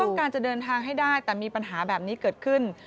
การจะเดินทางให้ได้แต่มีปัญหาแบบนี้เกิดขึ้น